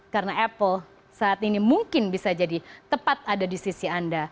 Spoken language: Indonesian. karena apple saat ini mungkin bisa jadi tepat ada di sisi anda